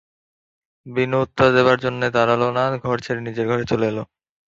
বিনু উত্তর দেবার জন্যে দাঁড়াল না, ঘর ছেড়ে নিজের ঘরে চলে এল।